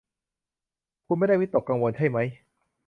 คุณไม่ได้วิตกกังวลใช่มั้ย